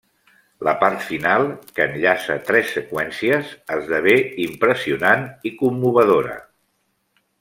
La part final, que enllaça tres seqüències, esdevé impressionant i commovedora.